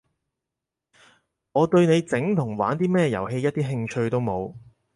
我對你整同玩啲咩遊戲一啲興趣都冇